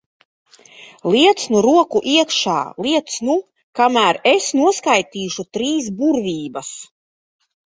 Liec nu roku iekšā, liec nu! Kamēr es noskaitīšu trīs burvības.